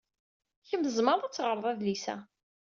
Kemm tzemreḍ ad teɣred adlis-a.